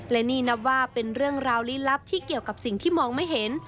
และนี่นับว่าเป็นเรื่องราวลี้ลับที่เกี่ยวกับสิ่งที่มองไม่เห็น